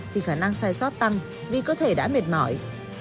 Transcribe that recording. thì khả năng sai sót tăng vì cơ thể đã mệt mỏi